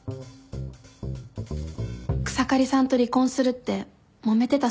草刈さんと離婚するってもめてたそうですね。